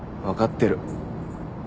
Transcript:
分かってる。